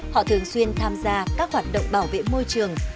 họ thường xuyên tham gia các hoạt động bảo vệ môi trường